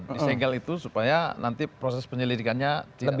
disegel itu supaya nanti proses penyelidikannya tidak